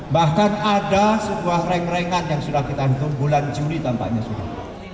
bahkan ada sebuah reng rengan yang sudah kita hitung bulan juli tampaknya sudah